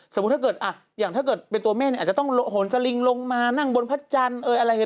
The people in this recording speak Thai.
ถ้าเกิดอย่างถ้าเกิดเป็นตัวแม่เนี่ยอาจจะต้องโหนสลิงลงมานั่งบนพระจันทร์อะไรอย่างนี้